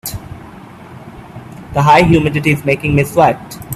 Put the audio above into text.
The high humidity is making me sweat.